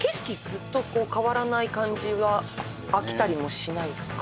ずっとこう変わらない感じはそうですよね飽きたりもしないですか？